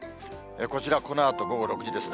こちら、このあと午後６時ですね。